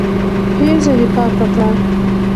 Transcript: پېزه دي پاکه کړه.